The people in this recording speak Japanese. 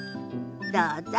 どうぞ。